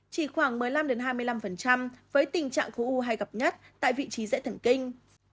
chỉ khoảng một mươi năm hai mươi năm với tình trạng khối u hay gặp nhất tại vị trí dễ thần kinh